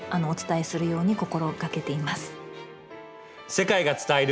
世界が伝える。